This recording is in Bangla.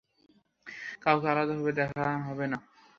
কাওকে আলাদাভাবে দেখা হবেনা।